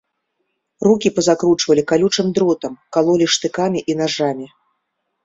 Рукі пазакручвалі калючым дротам, калолі штыкамі і нажамі.